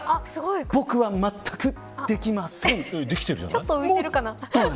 僕はまったくできません。